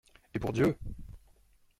Et pour Dieu!